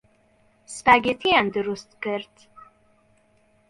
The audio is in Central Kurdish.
سپاگێتییان دروست کرد.